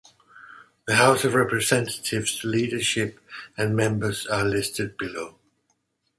The House of Representatives leadership and members are listed below.